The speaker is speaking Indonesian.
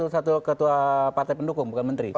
satu ketua partai pendukung bukan menteri